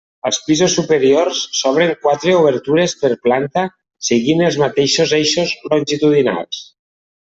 Als pisos superiors s'obren quatre obertures per planta seguint els mateixos eixos longitudinals.